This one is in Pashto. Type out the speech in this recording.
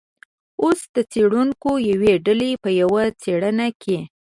اوس د څیړونکو یوې ډلې په یوه څیړنه کې